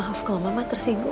maaf kalau mama tersinggung